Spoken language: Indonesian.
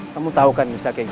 kamu tau kan nisa kayak gini